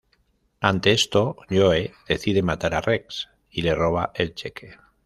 Ante esto, Joe decide matar a Rex y le roba el cheque.